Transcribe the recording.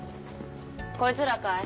こいつらかい？